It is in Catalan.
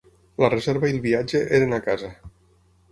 La reserva i el viatge eren a casa.